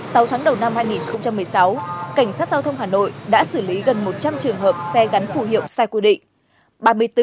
sau tháng đầu năm hai nghìn một mươi sáu cảnh sát giao thông hà nội đã xử lý gần một trăm linh trường hợp xe gắn phù hiệu sai quy định